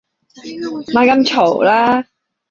咪咁嘈啦